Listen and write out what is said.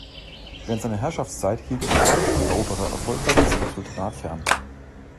Während seiner Herrschaftszeit hielt er die spanischen Eroberer erfolgreich von seinem Sultanat fern.